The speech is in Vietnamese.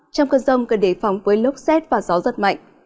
trong cơn rông cần đề phòng với lốc xét và gió giật mạnh